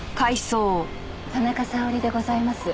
田中沙織でございます。